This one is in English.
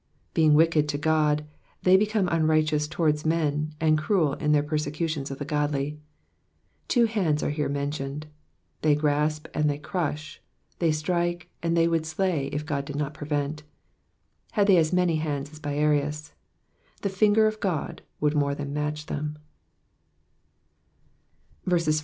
'''* Being wicked to God, they become unrighteous towards men, and cruel in their persecutions of the godly. Two hands are here mentioned : they grasp and they crush ; they strike and they would slay if God did not prevent ; had they as many hands as Briareus, the finger of God would more than match them.